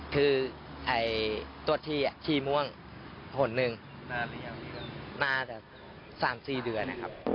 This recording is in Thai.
คือตัวที่ชีม่วงหนึ่งมา๓๔เดือน